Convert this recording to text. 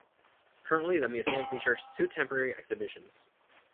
Currently, the Museum features two temporary exhibitions.